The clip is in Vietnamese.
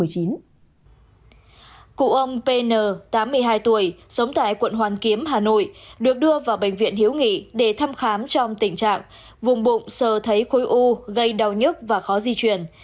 cụ ông pn tám mươi hai tuổi sống tại quận hoàn kiếm hà nội được đưa vào bệnh viện hiếu nghị để thăm khám trong tình trạng vùng bụng sơ thấy khối u gây đau nhức và khó di chuyển